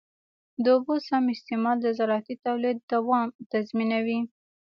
د اوبو سم استعمال د زراعتي تولید دوام تضمینوي.